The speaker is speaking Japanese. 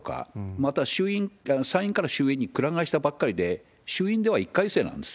また参院から衆院にくら替えしたばっかりで、衆院では１回生なんです。